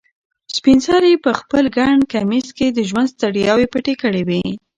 سپین سرې په خپل ګڼ کمیس کې د ژوند ستړیاوې پټې کړې وې.